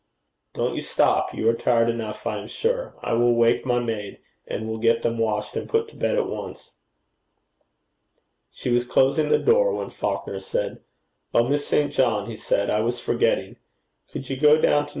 'Don't you stop. You are tired enough, I am sure. I will wake my maid, and we'll get them washed and put to bed at once.' She was closing the door, when Falconer turned. 'Oh! Miss St. John,' he said, 'I was forgetting. Could you go down to No.